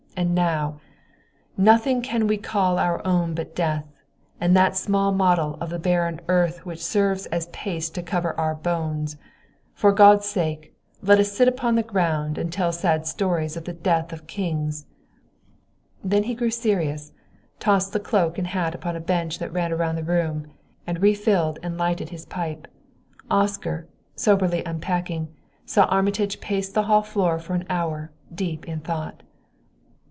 And now "'Nothing can we call our own but death, And that small model of the barren earth Which serves as paste and cover to our bones. For God's sake, let us sit upon the ground And tell sad stories of the death of kings.'" Then he grew serious, tossed the cloak and hat upon a bench that ran round the room, and refilled and lighted his pipe. Oscar, soberly unpacking, saw Armitage pace the hall floor for an hour, deep in thought.